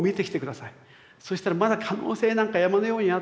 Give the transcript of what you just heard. そしたらまだ可能性なんか山のようにあって。